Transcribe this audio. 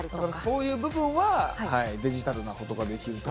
そういう部分はデジタルな事ができると。